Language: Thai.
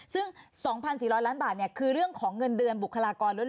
ซึ่ง๒๔๐๐ล้านบาทคือเรื่องของเงินเดือนบุคลากรล้วน